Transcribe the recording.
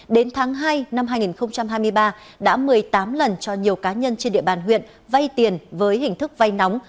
đến tháng hai năm hai nghìn hai mươi ba đã một mươi tám lần cho nhiều cá nhân trên địa bàn huyện vay tiền với hình thức vay nóng